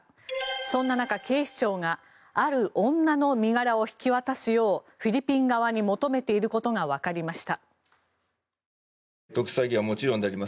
そんな中、警視庁がある女の身柄を引き渡すようフィリピン側に求めていることがわかりました。